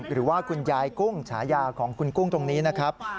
หรือว่าคุณยายกุ้งฉายาของคุณกุ้งตรงนี้นะครับ